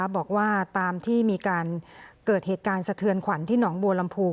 บอกว่าตามที่มีการเกิดเหตุการณ์สะเทือนขวัญที่หนองบัวลำพู